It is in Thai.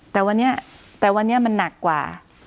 แต่วันนี้มันหนักกว่า